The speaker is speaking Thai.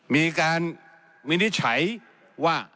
มีการวินิจฉัยว่า